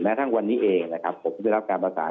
ทั้งวันนี้เองนะครับผมได้รับการประสาน